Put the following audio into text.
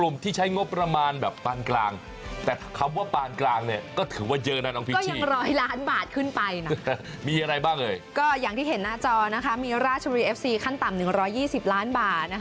มีอะไรบ้างเลยก็อย่างที่เห็นหน้าจอมีราชบุรีเอฟซีขั้นต่ำ๑๒๐ล้านบาท